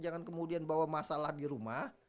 jangan kemudian bawa masalah di rumah